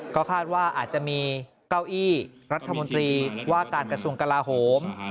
ก็คาดว่าอาจจะมีเก้าอี้รัฐมนตรีว่าการกระทรวงกลาโหม